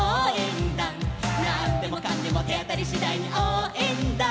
「なんでもかんでもてあたりしだいにおうえんだ」